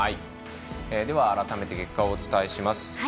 では改めて結果をお伝えします。